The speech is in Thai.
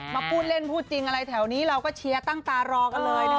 มาพูดเล่นพูดจริงอะไรแถวนี้เราก็เชียร์ตั้งตารอกันเลยนะคะ